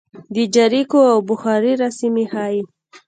د جریکو او ابوهریره سیمې ښيي.